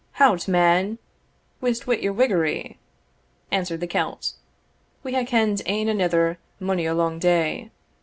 "Hout, man whisht wi' your whiggery," answered the Celt; "we hae ken'd ane anither mony a lang day.